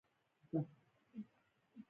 آن د محدودې ودې مزه یې هم نه ده څکلې